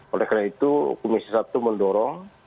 oleh karena itu komisi satu mendorong